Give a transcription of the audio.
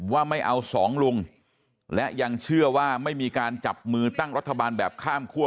ว่าไม่เอาสองลุงและยังเชื่อว่าไม่มีการจับมือตั้งรัฐบาลแบบข้ามคั่ว